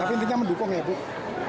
tapi intinya mendukung ya bu